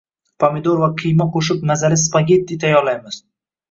Pomidor va qiyma qo‘shib mazali spagetti tayyorlaymiz